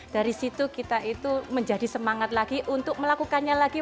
dari situ kita itu menjadi semangat lagi untuk melakukannya lagi